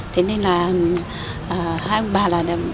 thế nên là hai ông bà là